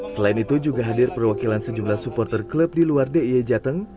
selain itu juga hadir perwakilan sejumlah supporter klub di luar d i e jateng